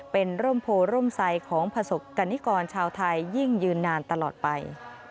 เป็นร่มโพร่ร่มไซด์ของผสกกัณฑิกรชาวไทยยิ่งยืนนานตลอดไป